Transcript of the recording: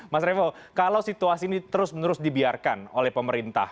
mas revo kalau situasi ini terus menerus dibiarkan oleh pemerintah